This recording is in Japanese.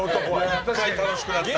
１回楽しくなったら。